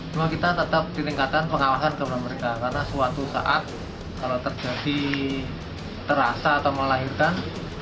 cuma kita tetap ditingkatkan pengawasan kepada mereka karena suatu saat kalau terjadi terasa atau melahirkan